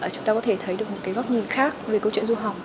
chúng ta có thể thấy được một cái góc nhìn khác về câu chuyện du học